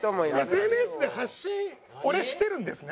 ＳＮＳで発信俺してるんですね？